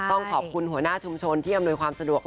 ต้องขอบคุณหัวหน้าชุมชนที่อำนวยความสะดวก